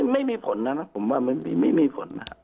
ไม่มีผลนะผมว่าไม่มีผลนะครับ